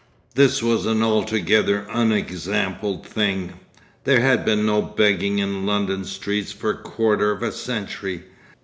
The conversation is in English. This was an altogether unexampled thing. There had been no begging in London streets for a quarter of a century.